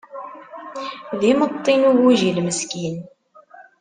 D imeṭṭi n ugujil meskin.